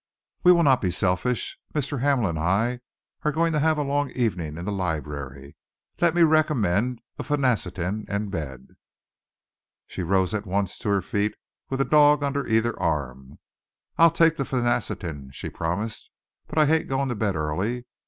We will not be selfish. Mr. Hamel and I are going to have a long evening in the library. Let me recommend a phenacetin and bed." She rose at once to her feet, with a dog under either arm. "I'll take the phenacetin," she promised, "but I hate going to bed early.